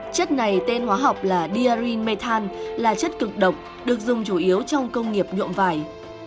chất này tên hóa học là diarin methan là chất cực độc được dùng chủ yếu trong công nghiệp nhuộm vải